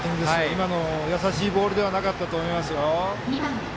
今の、やさしいボールではなかったと思いますよ。